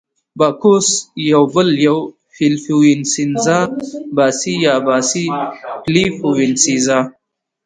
باکوس یا بل یو، فلیپو وینسینزا، باسي یا باسي فلیپو وینسینزا.